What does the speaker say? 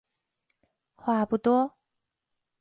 話不多